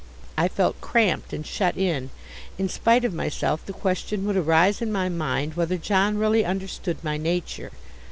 I felt cramped and shut in. In spite of myself the question would arise in my mind whether John really understood my nature.